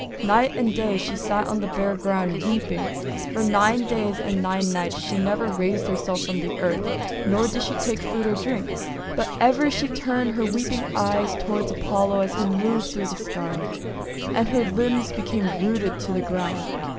Night and day she sat on the bare ground weep ing. For nine days and nine nights she never raised herself from the earth, nor did she take food or drink; but ever she turned her weeping eyes toward Apollo as he moved through the sky. And her limbs became rooted to the ground.